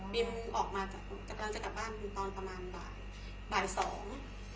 บินออกมาจากกำลังจะกลับบ้านอยู่ตอนประมาณบ่ายบ่ายสอง